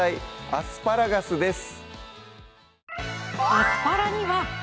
アスパラガス」です